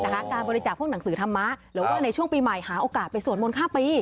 การบริจาคพวกหนังสือธรรมะหรือว่าในช่วงปีใหม่หาโอกาสไปสวดมนต์ข้ามปี